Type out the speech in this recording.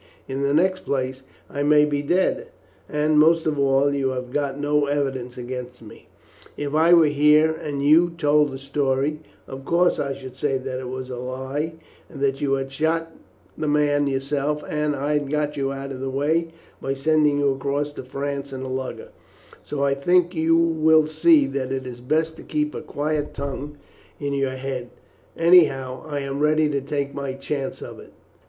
In the next place, I may be dead; and, most of all, you have got no evidence against me. If I were here, and you told the story, of course I should say that it was a lie, and that you had shot the man yourself, and I had got you out of the way by sending you across to France in a lugger, so I think you will see that it is best to keep a quiet tongue in your head; anyhow I am ready to take my chance of it."